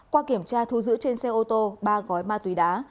qua kiểm tra thu giữ trên xe ô tô ba gói ma túy đá